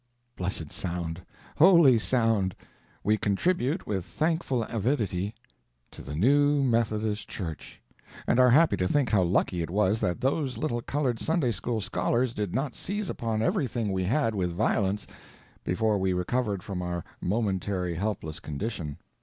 Blessed sound! Holy sound! We contribute with thankful avidity to the new Methodist church, and are happy to think how lucky it was that those little colored Sunday school scholars did not seize upon everything we had with violence, before we recovered from our momentary helpless condition.